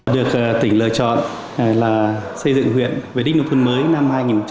được tỉnh lựa chọn là xây dựng huyện về đích nông thuận mới năm hai nghìn hai mươi năm